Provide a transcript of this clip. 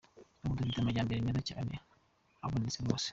Ubu dufite amajyambere meza cyane aboneje rwose.